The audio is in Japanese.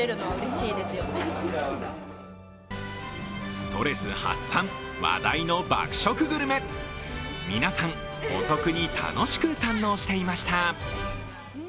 ストレス発散、話題の爆食グルメ皆さん、お得に楽しく、堪能していました。